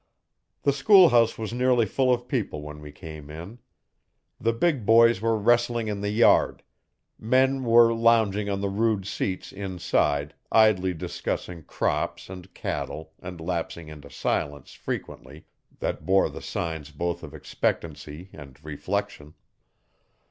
The schoolhouse was nearly full of people when we came in. The big boys were wrestling in the yard; men were lounging on the rude seats, inside, idly discussing crops and cattle and lapsing into silence, frequently, that bore the signs both of expectancy and reflection.